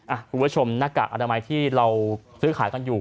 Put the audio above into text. คุณผู้ชมหน้ากากอนามัยที่เราซื้อขายกันอยู่